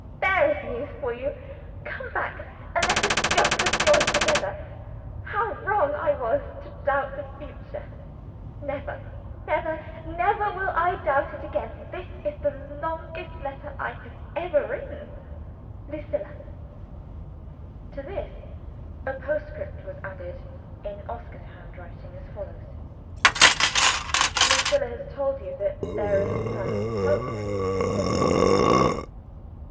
There is news for you! Come back, and let us jump for joy together. How wrong I was to doubt the future! Never, never, never will I doubt it again. This is the longest letter I have ever written. "Your affectionate, "LUCILLA." To this, a postscript was added, in Oscar's handwriting, as follows: "Lucilla has told you that there is some hope for me at last.